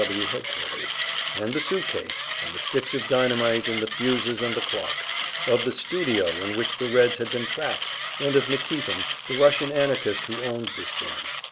W. W. headquarters, and the suit case, and the sticks of dynamite and the fuses and the clock; also of the "studio" in which the Reds had been trapped, and of Nikitin, the Russian anarchist who owned this den.